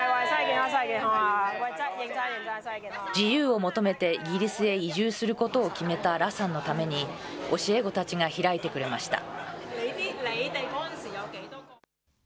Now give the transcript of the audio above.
自由を求めてイギリスへ移住することを決めた羅さんのために、教え子たちが開いてくれました。